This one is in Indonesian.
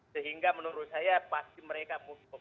sehingga menurut saya pasti mereka butuh